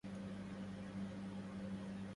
هل بإمكانك أن تدلني عن كيف أذهب إلى المطار؟